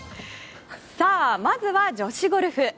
まずは、女子ゴルフ。